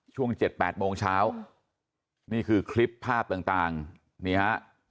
ช่วง๗๘โมงเช้านี่คือคลิปภาพต่างนี่ฮะ